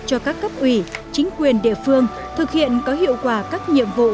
cho các cấp ủy chính quyền địa phương thực hiện có hiệu quả các nhiệm vụ